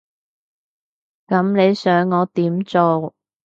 噉你想我點做？